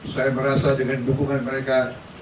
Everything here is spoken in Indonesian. saya merasa dengan dukungan mereka